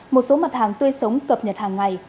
một số mặt hàng tươi sống cập nhật hàng ngày